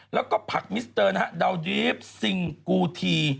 แล้วก็ผักมิสเตอร์นะฮะดาวดรีฟซิงกูที